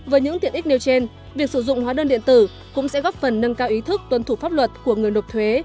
với những tiện ích nêu trên việc sử dụng hóa đơn điện tử cũng sẽ góp phần nâng cao ý thức tuân thủ pháp luật của người nộp thuế